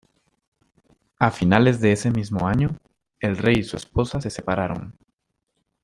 A finales de ese mismo año, el rey y su esposa se separaron.